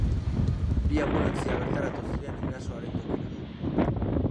Bi anbulantzia bertaratu ziren erasoaren tokira.